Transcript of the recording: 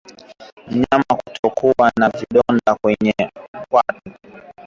Mnyama kutokwa na vidonda kwenye kwato